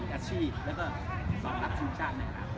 และก็สอนรับทีมชาติ